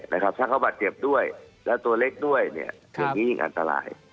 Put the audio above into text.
ถ้าเขาบาดเจ็บด้วยและตัวเล็กด้วยอย่างนี้ยิ่งอันตราย